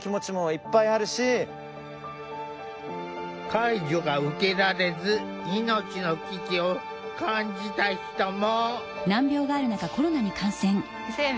介助が受けられず命の危機を感じた人も。